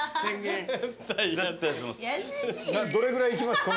どれぐらいいきます？